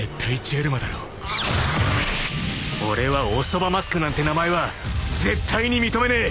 ［俺はおそばマスクなんて名前は絶対に認めねえ！］